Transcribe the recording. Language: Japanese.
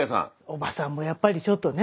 おばさんもやっぱりちょっとね。